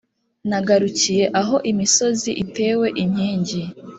nagarukiye aho imisozi itewe inkingi,